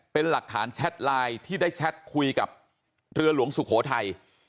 เป็นหลักฐานแชทไลน์ที่ได้แชทคุยกับเรือหลวงสุโขทัย